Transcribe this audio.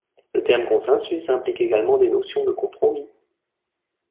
Le terme consensus implique également des notions de compromis.